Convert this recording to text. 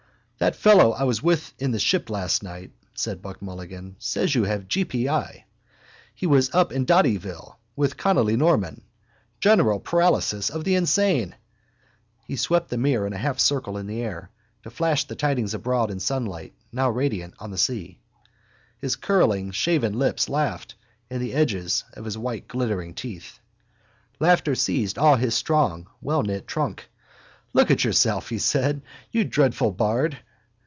—That fellow I was with in the Ship last night, said Buck Mulligan, says you have g. p. i. He's up in Dottyville with Connolly Norman. General paralysis of the insane! He swept the mirror a half circle in the air to flash the tidings abroad in sunlight now radiant on the sea. His curling shaven lips laughed and the edges of his white glittering teeth. Laughter seized all his strong wellknit trunk. —Look at yourself, he said, you dreadful bard!